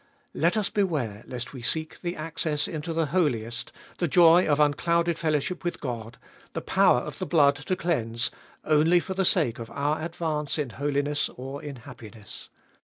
Let us beware lest we seek the access into the Holiest, the joy of unclouded fellowship with God, the power of the blood to cleanse, only for the sake of our advance in holiness or in happiness.